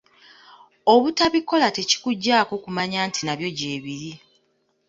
Obutabikola tekituggyaako kumannya nti nabyo gye biri.